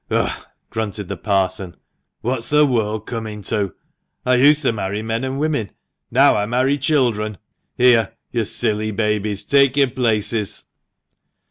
"Ugh!" grunted the Parson, "what's the world coming to? I used to marry men and women — now I marry children! Here, you silly babies, take your places."